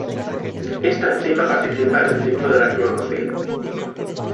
Esta enzima participa en el ciclo de la clorofila.